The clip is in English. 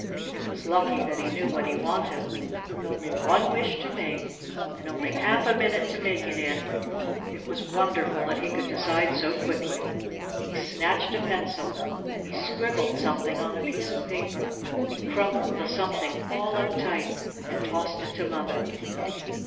It was lucky that he knew what he wanted. With only one wish to make and only half a minute to make it in, it was wonderful that he could decide so quickly! He snatched a pencil! He scribbled something on a piece of paper! He crumpled the "something" all up tight and tossed it to mother!